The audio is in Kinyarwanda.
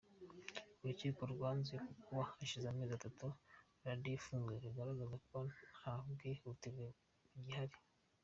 Urukiko rwanzuye ko kuba hashize amezi atatu radiyo ifunzwe bigaragaza ko nta bwihutirwe bugihari.